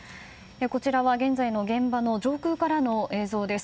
こちらは現在の現場の上空からの映像です。